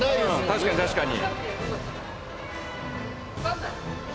確かに確かに。